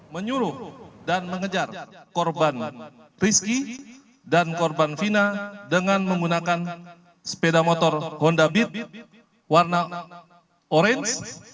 menyuruh dan mengejar korban rizky dan korban fina dengan menggunakan sepeda motor honda beat warna orange